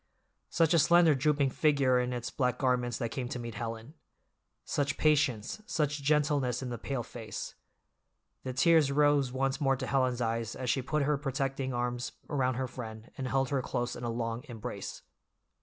Such a slender, drooping figure in its black garments that came to meet Helen! Such patience, such gentleness in the pale face! The tears rose once more to Helen's eyes as she put her protecting arms around her friend and held her close in a long embrace.